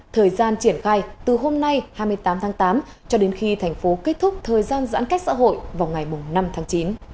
thời gian triển khai từ hôm nay hai mươi tám tháng tám cho đến khi thành phố kết thúc thời gian giãn cách xã hội vào ngày năm tháng chín